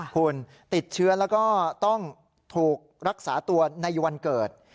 คุณติดเชื้อแล้วก็ต้องถูกรักษาตัวในวันเกิด